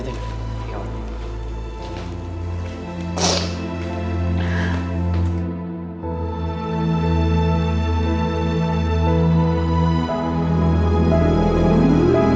ty lalu juga